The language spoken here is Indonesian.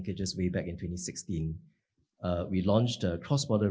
kami menunjukkan pembahasan sistem penghantaran